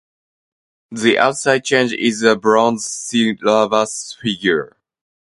The Outside Change is a Bronze syllabus figure.